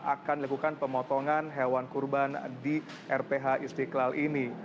akan dilakukan pemotongan hewan kurban di rph istiqlal ini